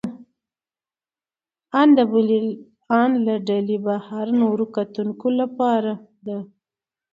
ان له ډلې بهر نورو کتونکو لپاره ده.